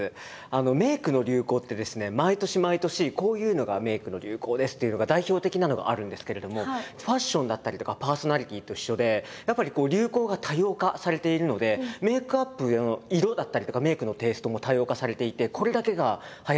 メイクの流行ってですね毎年毎年こういうのがメイクの流行ですっていうのが代表的なのがあるんですけれどもファッションだったりとかパーソナリティと一緒でやっぱり流行が多様化されているのでメイクアップの色だったりとかメイクのテーストも多様化されていてこれだけがはやってるっていうのは実はないんです。